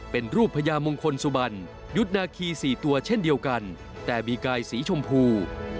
เป็นรูปพญามงคลสุบันยุทธนาคี๔ตัวเช่นเดียวกันแต่มีกายสีชมพู